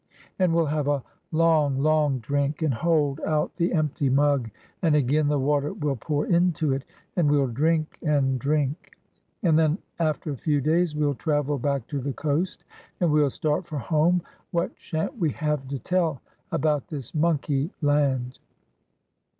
And we'll have a long, long drink and hold out the empty mug, and again the water will pour into it, and we'll drink and drink. And then after a few days we '11 travel back to the coast and we'll start for home! What shan't we have to tell about this monkey land!"